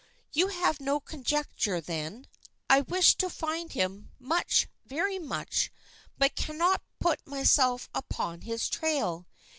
"You have no conjecture, then? I wish to find him, much, very much, but cannot put myself upon his trail.